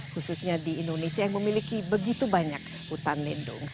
khususnya di indonesia yang memiliki begitu banyak hutan lindung